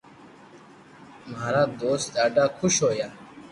مارا دوست ڌاڌا خوݾ ھويا